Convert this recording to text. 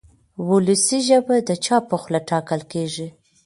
وولسي ژبه د چا په خوله ټاکل کېږي.